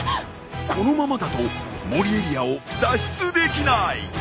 このままだと森エリアを脱出できない！